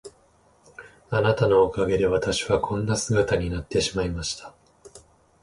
あなたのおかげで私はこんな姿になってしまいました。